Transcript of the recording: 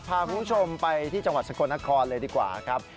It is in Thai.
พาคุณผู้ชมไปที่จังหวัดสกลนครเลยดีกว่าครับ